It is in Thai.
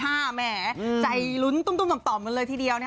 แหมใจลุ้นตุ้มต่อมกันเลยทีเดียว